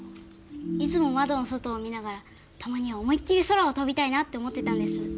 いつも窓の外を見ながらたまには思いっきり空を飛びたいなって思ってたんです。